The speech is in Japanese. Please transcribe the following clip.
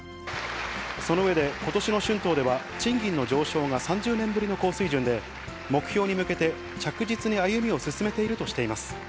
その上で、ことしの春闘では賃金の上昇が３０年ぶりの高水準で、目標に向けて着実に歩みを進めているとしています。